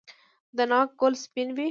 د ناک ګل سپین وي؟